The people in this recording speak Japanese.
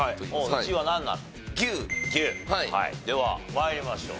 では参りましょう。